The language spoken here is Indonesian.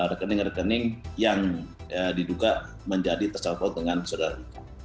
rekening rekening yang diduka menjadi tercampur dengan saudara ika